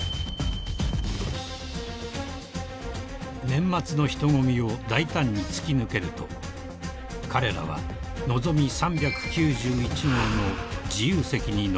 ［年末の人混みを大胆に突き抜けると彼らはのぞみ３９１号の自由席に乗り込んだ］